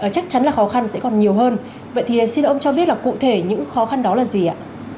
chắc chắn là khó khăn sẽ còn nhiều hơn vậy thì xin ông cho biết là cụ thể những khó khăn đó là gì ạ